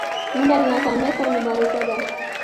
منډه له ناکامۍ سره مبارزه ده